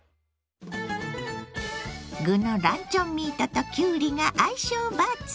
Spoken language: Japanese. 具のランチョンミートときゅうりが相性抜群！